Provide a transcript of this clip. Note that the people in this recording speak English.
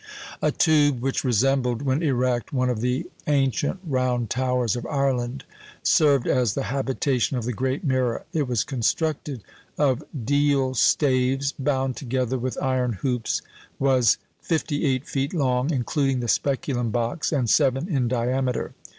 A tube which resembled, when erect, one of the ancient round towers of Ireland, served as the habitation of the great mirror. It was constructed of deal staves bound together with iron hoops, was fifty eight feet long (including the speculum box), and seven in diameter.